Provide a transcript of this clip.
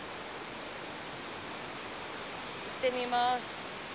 いってみます。